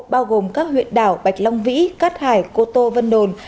bao gồm các huyện đảo bạch long vĩ cát hải cô tô vân đồn